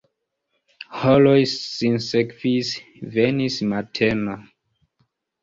Horoj sinsekvis, venis mateno.